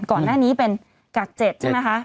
ก่อนหน้านี้เป็นกาก๗ใช่ไหมคะ